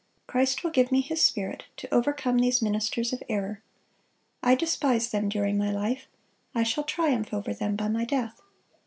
Christ will give me His Spirit to overcome these ministers of error. I despise them during my life; I shall triumph over them by my death.